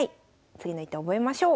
次の一手覚えましょう。